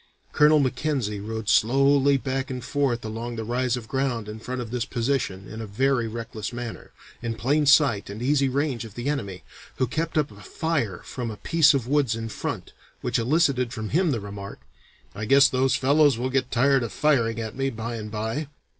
Colonel Mackenzie rode slowly back and forth along the rise of ground in front of this position in a very reckless manner, in plain sight and easy range of the enemy, who kept up a fire from a piece of woods in front, which elicited from him the remark, 'I guess those fellows will get tired of firing at me by and by.'